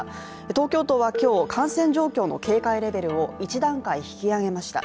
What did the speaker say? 東京都は今日、感染状況の警戒レベルを１段階引き上げました。